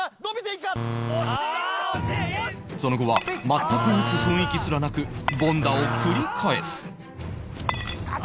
その後は全く打つ雰囲気すらなく凡打を繰り返すああ。